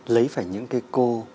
lấy phải những cái cô